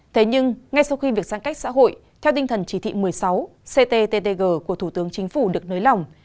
thế nhưng ngay sau khi việc giãn cách xã hội theo tinh thần chỉ thị một mươi sáu cttg của thủ tướng chính phủ được nới lỏng